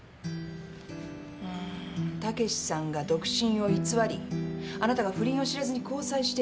うーん武さんが独身を偽りあなたが不倫を知らずに交際していた。